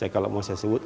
kalau mau saya sebut